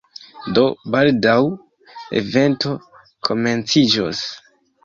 Do, baldaŭ evento komenciĝos